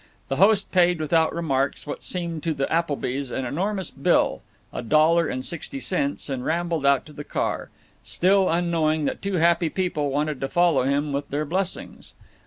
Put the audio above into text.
The host paid without remarks what seemed to the Applebys an enormous bill, a dollar and sixty cents, and rambled out to the car, still unknowing that two happy people wanted to follow him with their blessings.